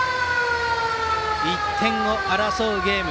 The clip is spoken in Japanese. １点を争うゲーム。